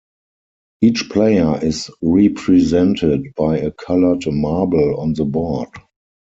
Each player is represented by a coloured marble on the board.